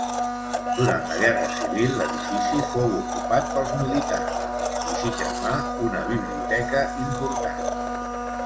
Durant la guerra civil l'edifici fou ocupat pels militars i s'hi cremà una biblioteca important.